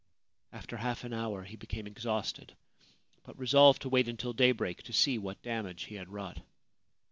After half an hour he became exhausted, but resolved to wait until daybreak, to see what damage he had wrought.